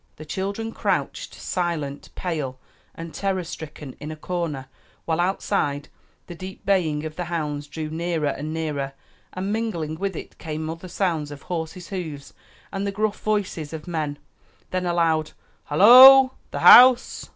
The children crouched, silent, pale, and terror stricken, in a corner, while outside, the deep baying of the hounds drew nearer and nearer, and mingling with it came other sounds of horses' hoofs and the gruff voices of men. Then a loud "Halloo the house!"